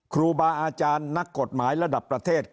ครูบาอาจารย์นักกฎหมายระดับประเทศ